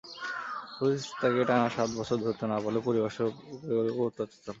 Police তাকে টানা সাত বছর ধরতে না পারলেও পরিবারের ওপর অত্যাচার চালায়।